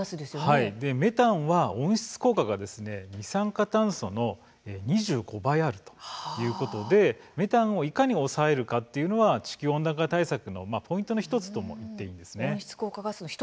メタンは温室効果が二酸化炭素の２５倍もあるということでメタンをいかに抑えるかというのは地球温暖化対策のポイントの１つとなっています。